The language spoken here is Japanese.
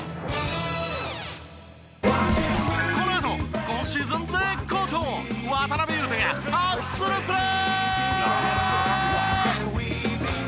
このあと今シーズン絶好調渡邊雄太がハッスルプレー！